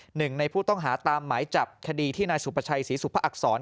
หนึ่งในผู้ต้องหาตามหมายจับคดีที่นายสุประชัยศรีสุภอักษร